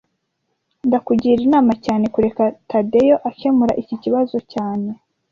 Ndakugira inama cyane kureka Tadeyo akemura iki kibazo cyane